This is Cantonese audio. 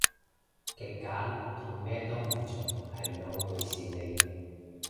極簡同咩都唔做係兩回事嚟